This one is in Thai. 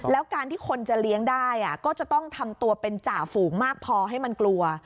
แล้วการที่คนจะเลี้ยงได้ก็จะต้องทำตัวเป็นจ่าฝูงมากพอให้มันกลัว